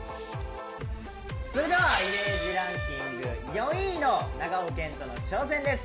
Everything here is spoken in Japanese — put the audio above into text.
それではイメージランキング４位の長尾謙杜の挑戦です。